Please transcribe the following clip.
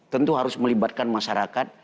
tentu harus melibatkan masyarakat